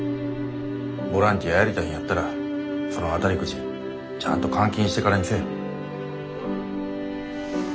ボランティアやりたいんやったらその当たりくじちゃんと換金してからにせえ。